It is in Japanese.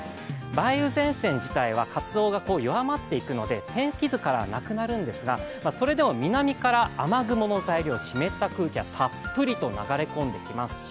梅雨前線自体は、活動が弱まっていくので、天気図からなくなるんですが、それでも南から雨雲の材料、湿った空気がたっぷりと流れ込んできますし